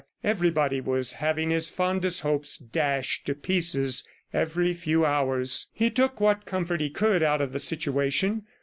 Everybody was having his fondest hopes dashed to pieces every few hours. He took what comfort he could out of the situation.